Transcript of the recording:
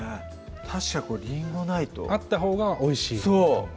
確かにこれりんごないとあったほうがおいしいそう！